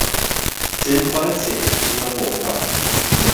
Dim chwarae teg iddo fo chwaith.